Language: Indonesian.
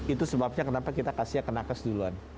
itu sebabnya kenapa kita kasihnya ke nakes duluan